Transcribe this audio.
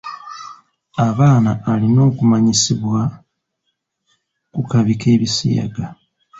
Abaana alina okumanyisibwa ku kabi k'ebisiyaga.